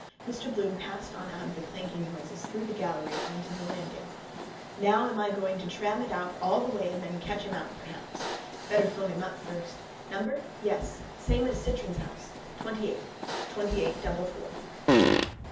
Mr Bloom passed on out of the clanking noises through the gallery on to the landing. Now am I going to tram it out all the way and then catch him out perhaps. Better phone him up first. Number? Yes. Same as Citron's house. Twentyeight. Twentyeight double four.